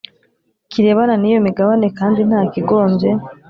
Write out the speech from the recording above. kirebana n iyo migabane kandi nta kigombye